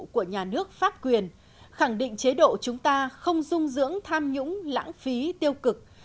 của nhà nước pháp quyền khẳng định chế độ chúng ta không dung dưỡng tham nhũng lãng phí tiêu cực